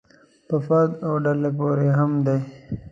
په فرد او ډلې پورې هم دی.